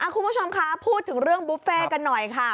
คุณผู้ชมคะพูดถึงเรื่องบุฟเฟ่กันหน่อยค่ะ